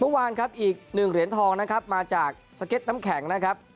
เมื่อวานครับอีกหนึ่งเหรียญทองนะครับมาจากสเก็ตน้ำแข็งนะครับ